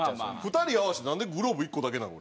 ２人合わせてなんでグローブ１個だけなん？